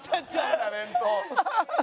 タレント。